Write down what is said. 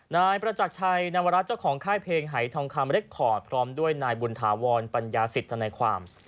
นายประจักรชัยนวรัฐเจ้าของค่ายเพลงหายทองคำเล็กคอร์ดพร้อมด้วยนายบุญถาวรปัญญาสิทธนายความ